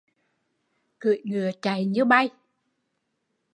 Cưỡi ngựa chạy như bay